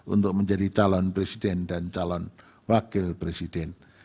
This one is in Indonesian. untuk menjadi calon presiden dan calon wakil presiden